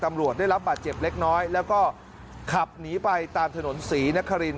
ตำรวจได้รับบาดเจ็บเล็กน้อยแล้วก็ขับหนีไปตามถนนศรีนคริน